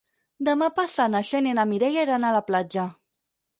Demà passat na Xènia i na Mireia iran a la platja.